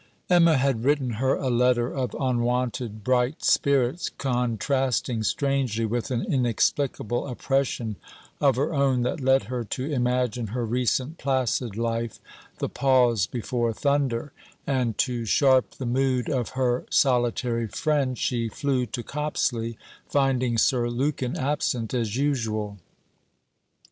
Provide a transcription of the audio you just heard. Emma had written her a letter of unwonted bright spirits, contrasting strangely with an inexplicable oppression of her own that led her to imagine her recent placid life the pause before thunder, and to sharp the mood of her solitary friend she flew to Copsley, finding Sir Lukin absent, as usual.